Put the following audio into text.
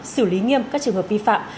xử lý nghiêm các trường hợp vi phạm